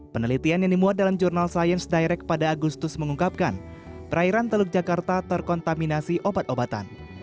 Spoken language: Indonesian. penelitian yang dimuat dalam jurnal science direct pada agustus mengungkapkan perairan teluk jakarta terkontaminasi obat obatan